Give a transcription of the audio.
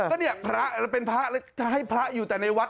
ก็นี่พระเราเป็นพระให้พระอยู่แต่ในวัด